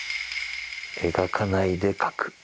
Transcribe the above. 描かないで描く。